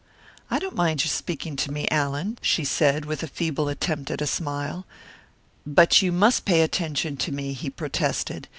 "I don't mind your speaking to me, Allan," she said; with a feeble attempt at a smile. "But you must pay attention to me," he protested.